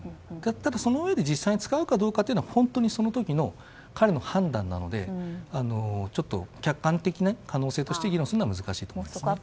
ただそのうえで実際に使うかは彼の判断なのでちょっと客観的に可能性として議論するのは難しいと思いますね。